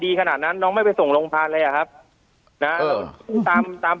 ขนาดนั้นน้องไม่ไปส่งโรงพยาบาลเลยอ่ะครับนะตามตาม